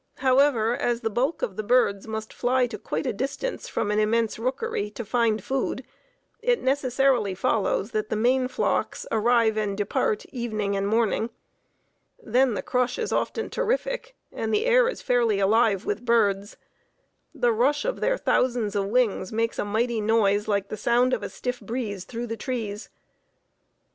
However, as the bulk of the birds must fly to quite a distance from an immense rookery to find food, it necessarily follows that the main flocks arrive and depart evening and morning. Then the crush is often terrific and the air is fairly alive with birds. The rush of their thousands of wings makes a mighty noise like the sound of a stiff breeze through the trees.